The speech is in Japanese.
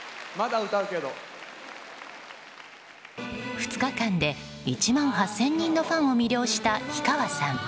２日間で１万８０００人のファンを魅了した氷川さん。